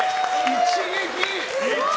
一撃！